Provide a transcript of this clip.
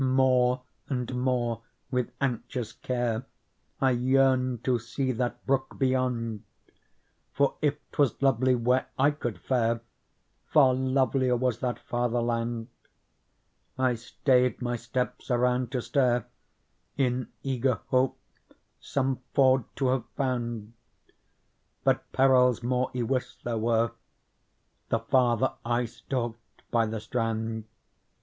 More and more, with anxious care, I yearned to see that brook beyond ; For if 'twas lovely where I could fare. Far lovelier was that farther land. I stayed my steps around to stare, In eager hope some ford to have found ; But perils more ywis there were. The farther I stalked by the strand.